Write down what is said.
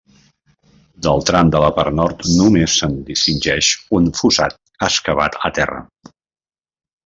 Del tram de la part nord només se'n distingeix un fossat excavat a terra.